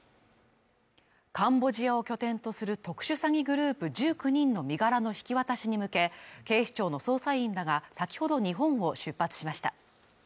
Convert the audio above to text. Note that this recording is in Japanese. カンボジアを拠点とする特殊詐欺グループ１９人の身柄の引き渡しに向け、警視庁の捜査員らが、先ほど日本を出発しました。